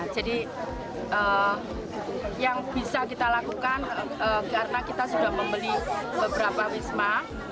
jadi yang bisa kita lakukan karena kita sudah membeli beberapa wisma